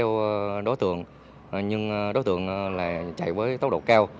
tôi đã đuổi theo đối tượng nhưng đối tượng là chạy với tốc độ cao